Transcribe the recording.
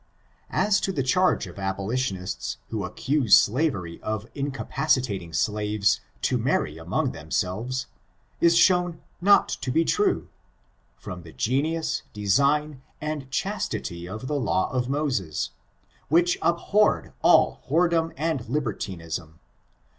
As to the charge of abolitionists, who accuse slav ery of incapacitating slaves to marry among them selves, is shown not to be true, from the genius, design and chastity of the law of Moses, which abhored all whoredom and libertinism.